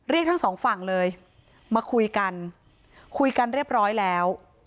ทั้งสองฝั่งเลยมาคุยกันคุยกันเรียบร้อยแล้ว